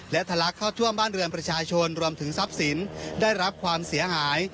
และทะลักเข้าท่วมบ้านเรือนประชาชนรวมถึงทรัพย์สินได้รับความเสียหาย